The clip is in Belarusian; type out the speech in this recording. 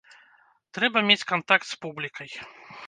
Трэба мець кантакт з публікай.